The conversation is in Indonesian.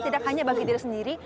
tidak hanya bagi diri sendiri